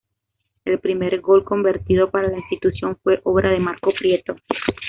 El primer gol convertido para la institución fue obra de Marco Prieto.